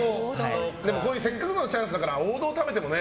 せっかくのチャンスだから王道を食べてもね。